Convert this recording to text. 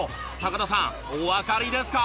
田さんおわかりですか？